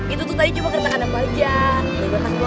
itu tadi cuma kereta kadang kadang aja